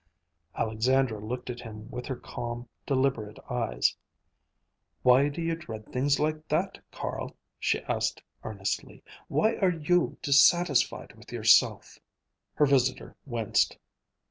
Alexandra looked at him with her calm, deliberate eyes. "Why do you dread things like that, Carl?" she asked earnestly. "Why are you dissatisfied with yourself?" Her visitor winced.